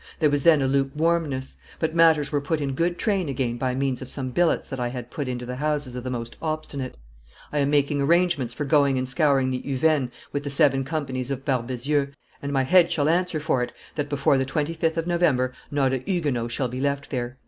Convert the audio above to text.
There was then a lukewarmness; but matters were put in good train again by means of some billets that I had put into the houses of the most obstinate. I am making arrangements for going and scouring the Uvennes with the seven companies of Barbezieux, and my head shall answer for it that before the 25th of November not a Huguenot shall be left there."